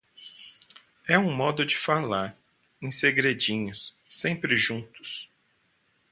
É um modo de falar. Em segredinhos, sempre juntos.